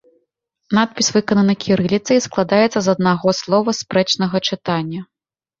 Надпіс выкананы кірыліцай і складаецца з аднаго слова спрэчнага чытання.